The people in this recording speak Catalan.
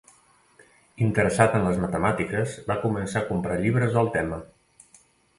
Interessat en les matemàtiques va començar a comprar llibres del tema.